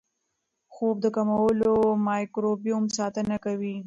خوب د کولمو مایکروبیوم ساتنه کوي.